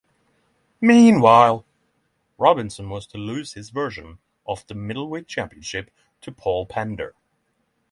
Meanwhile, Robinson was to lose his version of the middleweight championship to Paul Pender.